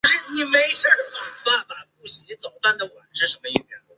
顺天府乡试第一百十一名。